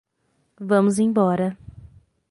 Vamos embora.